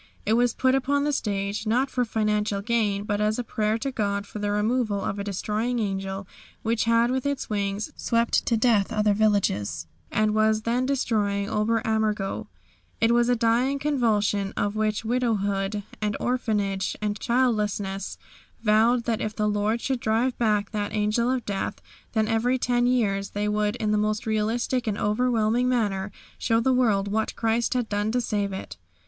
It was put upon the stage not for financial gain but as a prayer to God for the removal of a Destroying Angel which had with his wings swept to death other villages, and was then destroying Ober Ammergau. It was a dying convulsion in which Widowhood and Orphanage and Childlessness vowed that if the Lord should drive back that Angel of Death, then every ten years they would in the most realistic and overwhelming manner show the world what Christ had done to save it.